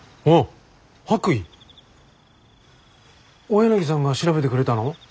大柳さんが調べてくれたの？